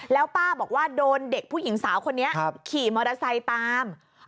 แล้วป้าบอกว่าโดนเด็กผู้หญิงสาวคนนี้ขี่มอเตอร์ไซค์ตาม